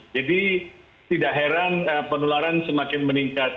jadi tidak heran penularan semakin meningkat